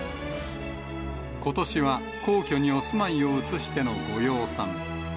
ことしは皇居にお住まいを移しての御養蚕。